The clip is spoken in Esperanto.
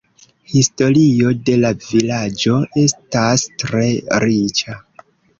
Historio de la vilaĝo estas tre riĉa.